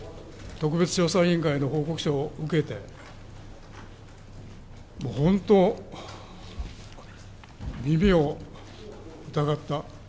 特別調査委員会の報告書を受けて、もう本当、耳を疑った。